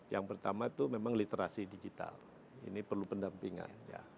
yang pertama itu memang literasi digital ini perlu pendampingan